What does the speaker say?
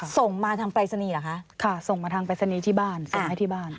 ส่งมาทางปริศนีท่าคะค่ะส่งมาทางปริศนีที่บ้านส่งให้ที่บ้าน